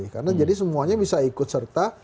karena jadi semuanya bisa ikut serta